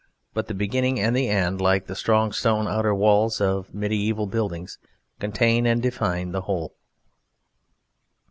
But the beginning and the end, like the strong stone outer walls of mediaeval buildings, contain and define the whole.